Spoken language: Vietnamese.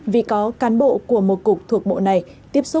vì có cán bộ của một cục tài liệu